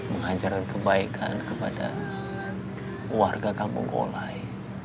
mengajarkan kebaikan kepada warga kampung kolai